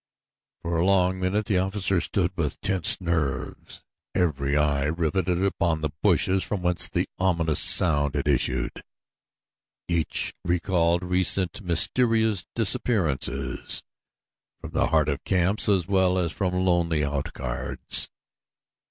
For a long minute the officers stood with tensed nerves, every eye riveted upon the bushes from whence the ominous sound had issued. Each recalled recent mysterious disappearances from the heart of camps as well as from lonely out guards.